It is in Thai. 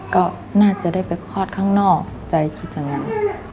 ก็น่าจะได้ไปคลอดข้างนอกใจคิดอย่างนั้น